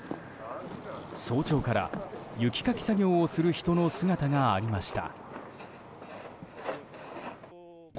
早朝から雪かき作業をする人の姿がありました。